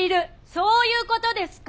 そういう事ですか！？